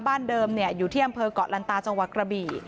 บ้านเดิมอยู่ที่อำเภอกเกาะลันตาจังหวัดกระบี่